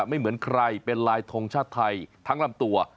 ไม่เหมือนใครเป็นลายทงชาติไทยทั้งลำตัว